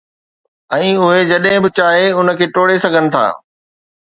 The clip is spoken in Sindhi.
۽ اهي جڏهن به چاهي ان کي ٽوڙي سگهن ٿا.